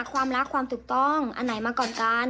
ความรักความถูกต้องอันไหนมาก่อนกัน